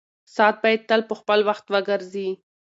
ساعت باید تل په خپل وخت وګرځي.